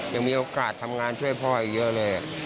ยังมีโอกาสทำงานช่วยพ่ออีกเยอะเลย